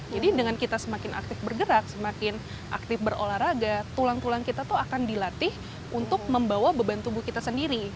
jadi dengan kita semakin aktif bergerak semakin aktif berolahraga tulang tulang kita tuh akan dilatih untuk membawa beban tubuh kita sendiri